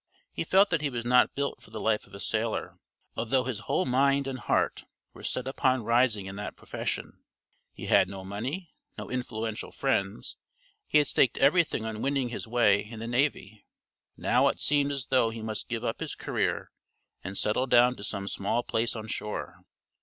He felt that he was not built for the life of a sailor, although his whole mind and heart were set upon rising in that profession. He had no money, no influential friends; he had staked everything on winning his way in the navy. Now it seemed as though he must give up his career and settle down to some small place on shore.